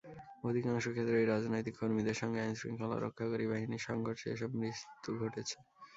অধিকাংশ ক্ষেত্রেই রাজনৈতিক কর্মীদের সঙ্গে আইনশৃঙ্খলা রক্ষাকারী বাহিনীর সংঘর্ষে এসব মৃত্যু ঘটেছে।